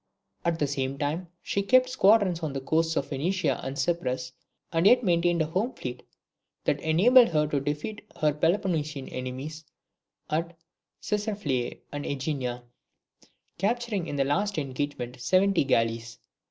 At the same time she kept squadrons on the coasts of Phoenicia and Cyprus, and yet maintained a home fleet that enabled her to defeat her Peloponnesian enemies at Cecryphalae and AEgina, capturing in the last engagement seventy galleys.